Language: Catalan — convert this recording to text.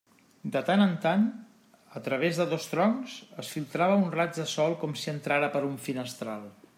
De tant en tant, a través de dos troncs es filtrava un raig de sol com si entrara per un finestral.